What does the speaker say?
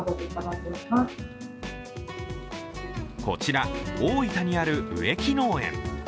こちら、大分にある植木農園。